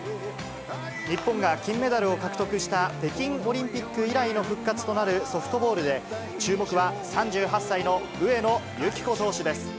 日本が金メダルを獲得した北京オリンピック以来の復活となるソフトボールで、注目は３８歳の上野由岐子投手です。